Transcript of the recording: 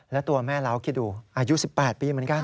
แล้วตัวแม่เล้าคิดดูอายุ๑๘ปีเหมือนกัน